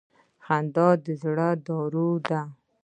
• خندا د زړه دارو ده.